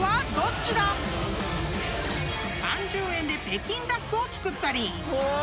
［３０円で北京ダックを作ったり］